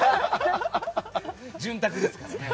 潤沢ですから。